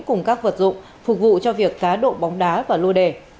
cùng các vật dụng phục vụ cho việc cá độ bóng đá và lô đề